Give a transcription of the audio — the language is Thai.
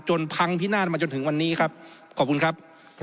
พังพินาศมาจนถึงวันนี้ครับขอบคุณครับ